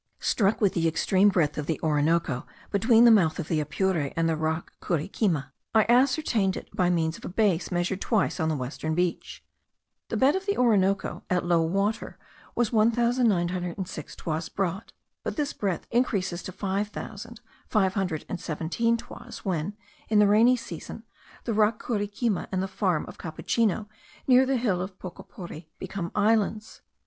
Struck with the extreme breadth of the Orinoco, between the mouth of the Apure and the rock Curiquima, I ascertained it by means of a base measured twice on the western beach. The bed of the Orinoco, at low water, was 1906 toises broad; but this breadth increases to 5517 toises, when, in the rainy season, the rock Curiquima, and the farm of Capuchino near the hill of Pocopocori, become islands.